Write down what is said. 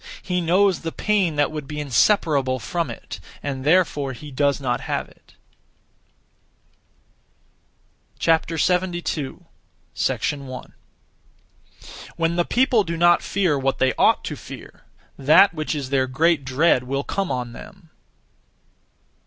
He knows the pain that would be inseparable from it, and therefore he does not have it. 72. 1. When the people do not fear what they ought to fear, that which is their great dread will come on them.